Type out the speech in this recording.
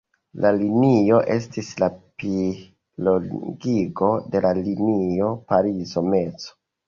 La linio estis la plilongigo de la linio Parizo–Meco.